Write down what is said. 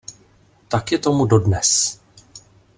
Tak je tomu dodnes.